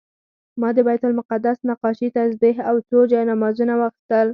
ما د بیت المقدس نقاشي، تسبیح او څو جانمازونه واخیستل.